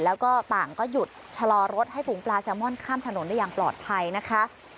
แล้วก็ต่างก็หยุดชะลอรถให้ฝูงปลาแซลมอนข้ามถนนได้อย่างปลอดภัยนะคะ